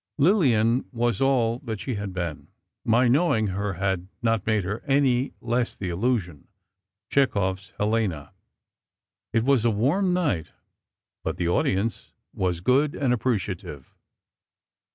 Lillian was all that she had been—my knowing her had not made her any less the illusion, Chekhov's Helena. It was a warm night, but the audience was good—and appreciative.